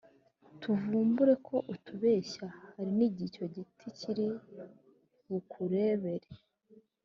tuvumburemo ko utubeshya. Hari n’igihe icyo giti kiri bukubere